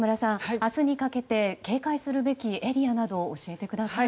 明日にかけて警戒するべきエリアなどを教えてください。